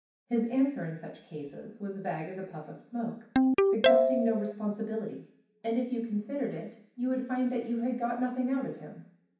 His answer, in such cases, was vague as a puff of smoke, suggesting no responsibility, and if you considered it you would find that you had got nothing out of him.